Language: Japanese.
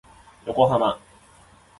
横浜